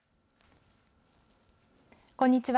こんにちは。